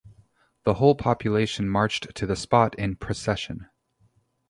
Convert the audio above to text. The whole population marched to the spot in procession.